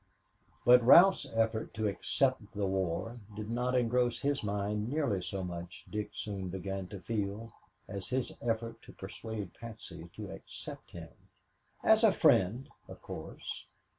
But Ralph's effort to "accept the war" did not engross his mind nearly so much, Dick soon began to feel, as his effort to persuade Patsy to accept him as a friend, of course!